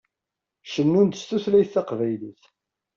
Tcennumt s tutlayt taqbaylit.